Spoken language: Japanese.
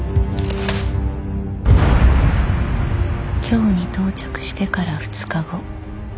京に到着してから２日後。